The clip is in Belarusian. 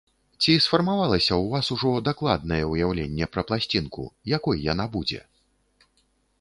Ці сфармавалася ў вас ужо дакладнае ўяўленне пра пласцінку, якой яна будзе?